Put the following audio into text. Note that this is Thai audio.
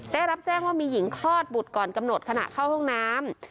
ได้รับแจ้งว่ามีหญิงคลอดบุตรก่อนกำหนดขณะเข้าห้องน้ำ